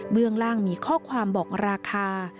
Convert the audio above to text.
เรื่องล่างมีข้อความบอกราคา